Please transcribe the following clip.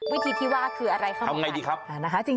วิธีที่ว่าคืออะไรค่ะหมอกัย